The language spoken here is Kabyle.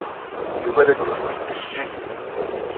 Yuba la d-ittekkes tijejjigin.